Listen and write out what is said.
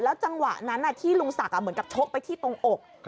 จังหวะนั้นที่ลุงศักดิ์เหมือนกับชกไปที่ตรงอก